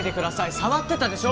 触ってたでしょ？